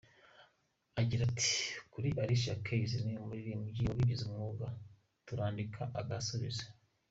Agira ati “Kuri Alicia Keys, ni umuririmbyi wabigize umwuga, turandika agasubiza.